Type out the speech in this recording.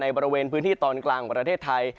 บริเวณพื้นที่ตอนกลางของประเทศไทย